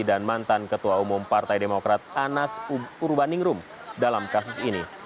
dan mantan ketua umum partai demokrat anas urbaningrum dalam kasus ini